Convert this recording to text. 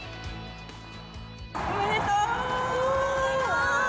おめでとう。